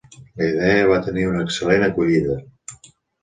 La idea va tenir una excel·lent acollida.